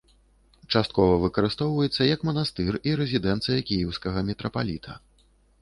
Часткова выкарыстоўваецца, як манастыр і рэзідэнцыя кіеўскага мітрапаліта.